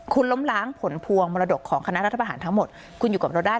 คุณล้มล้างผลพวงมรดกของคณะรัฐประหารทั้งหมดคุณอยู่กับเราได้